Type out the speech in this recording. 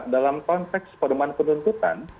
dalam konteks pedoman penuntutan